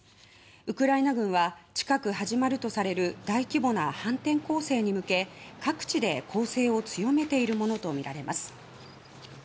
ウクライナ軍は近く始まるとされる大規模な反転攻勢に向け各地で攻勢を強めているものとみられます。